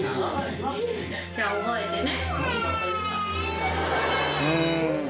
じゃあ覚えてね。